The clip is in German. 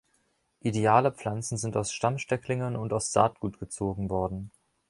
Ideale Pflanzen sind aus Stammstecklingen und aus Saatgut gezogen worden.